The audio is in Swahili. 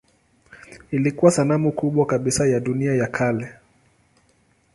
Ilikuwa sanamu kubwa kabisa ya dunia ya kale.